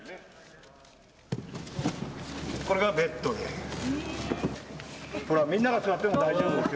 これがベッドです。